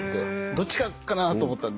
どっちかなと思ったんで。